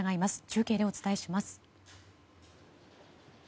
中継でお伝えします。